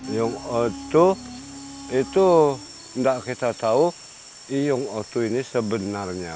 iyung oto itu tidak kita tahu iyung oto ini sebenarnya